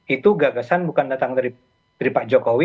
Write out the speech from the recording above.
itu gagasan bukan datang dari pak jokowi